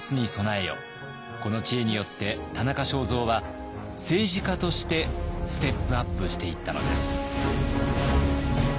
この知恵によって田中正造は政治家としてステップアップしていったのです。